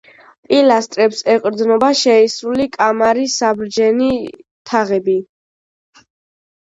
პილასტრებს ეყრდნობა შეისრული კამარის საბრჯენი თაღები.